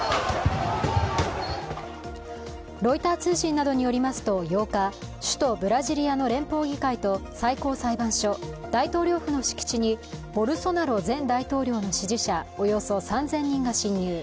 ロイター通信などによりますと８日、首都ブラジリアの連邦議会と最高裁判所、大統領府の敷地にボルソナロ前大統領の支持者およそ３０００人が侵入。